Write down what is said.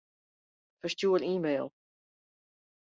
Ferstjoer e-mail.